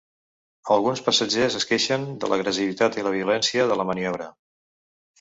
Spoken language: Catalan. Alguns passatgers es queixen de l’agressivitat i la violència de la maniobra.